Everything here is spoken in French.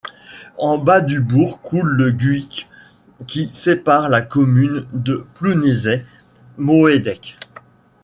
En bas du bourg coule le Guic, qui sépare la commune de Plounévez-Moëdec.